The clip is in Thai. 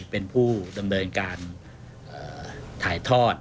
เป็นผู้ดำเนินการถ่ายทอด